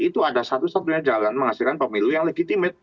itu ada satu satunya jalan menghasilkan pemilu yang legitimit